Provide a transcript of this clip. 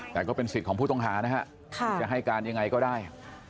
แต่ก็เป็นสิทธิ์ของผู้ต้องหานะฮะจะให้การยังไงก็ได้